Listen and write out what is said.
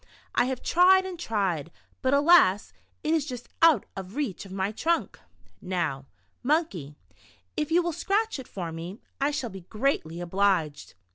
I have tried and tried, but alas, it is just out of reach of my trunk. Now, Monkey, if you will scratch it for me, I shall be greatly obliged."